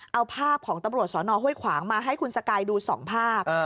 เอาภาพของตำรวจสนห้วยขวางมาให้คุณสกายดู๒ภาพ